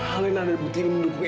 alena dan butini mendukung edo